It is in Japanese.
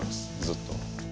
ずっと。